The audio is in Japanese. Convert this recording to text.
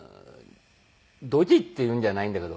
ドジっていうんじゃないんだけど。